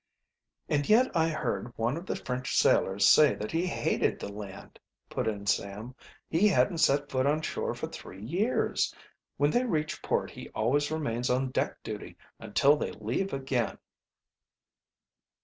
"And yet I heard one of the French sailors say that he hated the land," put in Sam. "He hadn't set foot on shore for three years. When they reach port he always remains on deck duty until they leave again."